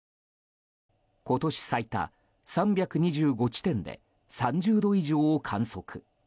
今年最多、３２５地点で３０度以上を観測。